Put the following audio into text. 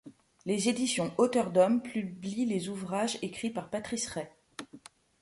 Les éditions Hauteur d'Homme publient les ouvrages écrits par Patrice Rey.